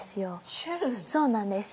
そうなんです。